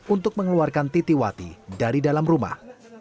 untuk mengeluarkan titiwati dari dalam rumah